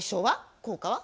効果は？